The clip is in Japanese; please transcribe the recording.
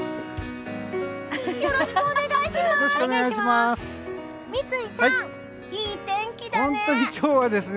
よろしくお願いします！